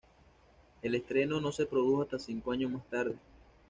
El estreno no se produjo hasta cinco años más tarde.